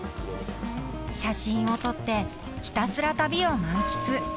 ［写真を撮ってひたすら旅を満喫］